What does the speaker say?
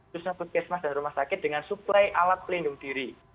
khususnya puskesmas dan rumah sakit dengan suplai alat pelindung diri